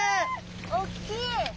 おっきい！